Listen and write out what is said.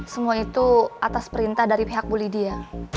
semua itu atas perintah dari pihak bu lydia